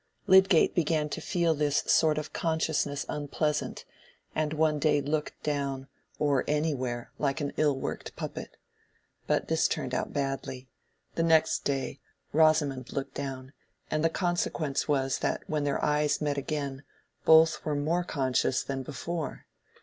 Lydgate began to feel this sort of consciousness unpleasant and one day looked down, or anywhere, like an ill worked puppet. But this turned out badly: the next day, Rosamond looked down, and the consequence was that when their eyes met again, both were more conscious than before.